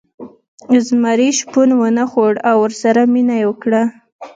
زمري شپون ونه خوړ او ورسره مینه یې وکړه.